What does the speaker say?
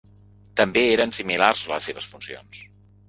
També eren similars les seves funcions.